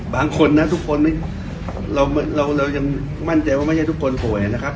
บางคนนะทุกคนเรายังมั่นใจว่าไม่ใช่ทุกคนป่วยนะครับ